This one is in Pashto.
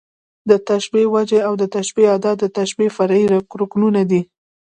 د تشبېه وجه او د تشبېه ادات، د تشبېه فرعي رکنونه دي.